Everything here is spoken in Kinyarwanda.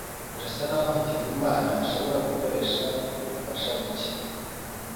Birasa nkaho Hakizimana ashobora gukoresha ubufasha buke.